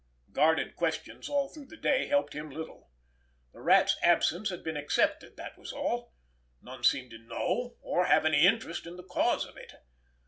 Guarded questions all through the day helped him little. The Rat's absence had been accepted, that was all—none seemed to know, or have any interest in the cause of it.